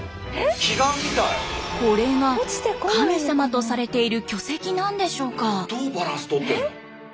これが神様とされている巨石なんでしょうか？